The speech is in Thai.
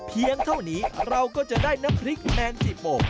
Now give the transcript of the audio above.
เพียงเท่านี้เราก็จะได้น้ำพริกแมงจีโป